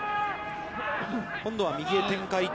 今度は右へ展開。